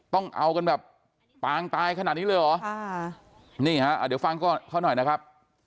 ต้องเอากันแบบปางตายขนาดนี้เลยเหรอค่ะนี่ฮะเดี๋ยวฟังเขาหน่อยนะครับ